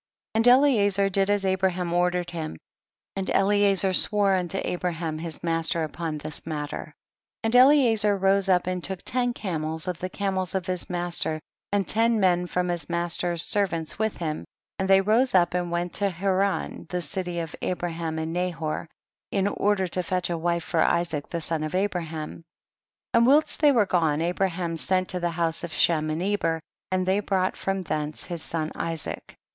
34. And Eliezer did as Abraham ordered him, and Eliezer swore unto Abraham his master upon this matter ; and Eliezer rose up and took ten camels of the camels of his master, and ten men from his master's servants with him, and they rose up and went to Haran, the city of Abraham and Nahor, in order to fetch a wife for Isaac the son of Abraham ; and whilst they were gone Abraham sent to the house of Shem and Eber, and they brought from thence his son Isaac.